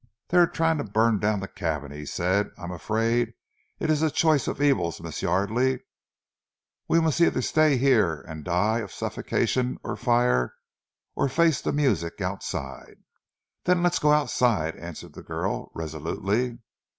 "They are trying to burn down the cabin," he said. "I am afraid it is a choice of evils, Miss Yardely. We must either stay here, and die of suffocation or fire, or face the music outside." "Then let us go outside," answered the girl resolutely.